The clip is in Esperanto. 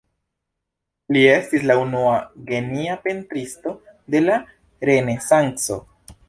Li estis la unua genia pentristo de la Renesanco.